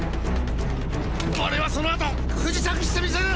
俺はその後不時着してみせる！！